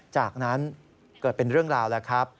จากนั้นเกิดเป็นเรื่องราวแล้วครับ